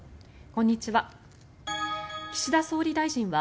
こんにちは。